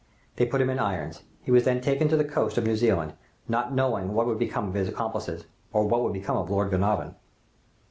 They put him in irons. He was then taken to the coast of New Zealand, not knowing what would become of his accomplices, or what would become of Lord Glenarvan.